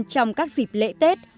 trong các dịp lễ tết